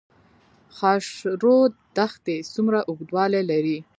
خاشرود دښتې څومره اوږدوالی لري؟